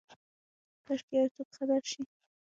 کاشکي یوڅوک خبر شي،